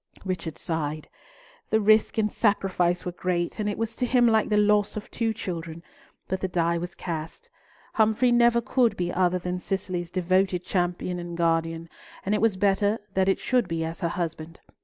Richard sighed. The risk and sacrifice were great, and it was to him like the loss of two children, but the die was cast; Humfrey never could be other than Cicely's devoted champion and guardian, and it was better that it should be as her husband.